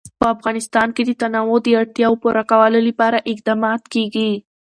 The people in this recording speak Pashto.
په افغانستان کې د تنوع د اړتیاوو پوره کولو لپاره اقدامات کېږي.